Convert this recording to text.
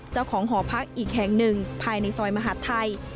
เจ้าของหอพักอีกแห่งหนึ่งภายในซอยมหาธัย